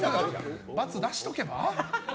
×出しておけば？